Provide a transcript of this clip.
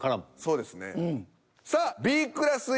そうですね。